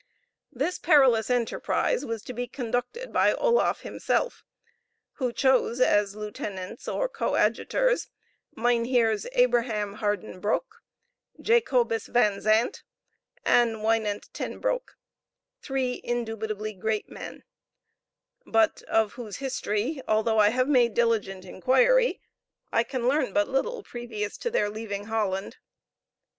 This perilous enterprise was to be conducted by Oloffe himself, who chose as lieutenants, or coadjutors, Mynheers Abraham Harden Broeck, Jacobus Van Zandt, and Winant Ten Broeck three indubitably great men, but of whose history, although I have made diligent inquiry, I can learn but little previous to their leaving Holland.